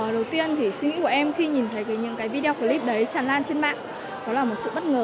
đầu tiên thì suy nghĩ của em khi nhìn thấy những cái video clip đấy tràn lan trên mạng nó là một sự bất ngờ